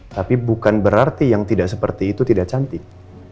tapi bukan berarti yang tidak seperti itu tidak cantik